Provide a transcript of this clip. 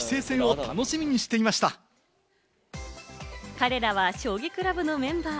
彼らは将棋クラブのメンバー。